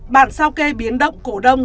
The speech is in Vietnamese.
bản sao kê biến động cổ đông